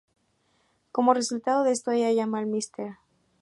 Como resultado de esto, ella llama al Mr.